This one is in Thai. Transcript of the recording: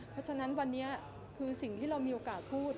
เพราะฉะนั้นวันนี้คือสิ่งที่เรามีโอกาสพูด